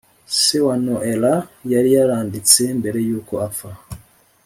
se wa noella yariyaranditse mbere yuko apfa